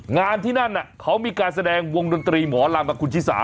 งานที่นั่นน่ะเค้ามีการแสดงวงดนตรีหมอรั่งกับคุณขี้สา